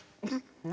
何？